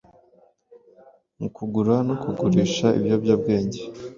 mu kugura no kugurisha ibiyobyabwenge